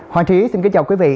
hoàng trí xin kính chào quý vị